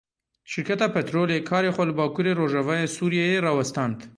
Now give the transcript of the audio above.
Şirketa petrolê karê xwe li bakurê rojavayê Sûriyeyê rawestand.